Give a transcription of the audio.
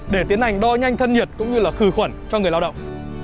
để tiến hành đo nhanh thân nhiệt cũng như là khử khuẩn cho người lao động